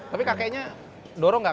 tapi kakeknya dorong gak